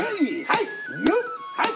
はい！